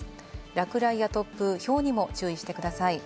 落雷や突風、ひょうにも注意してください。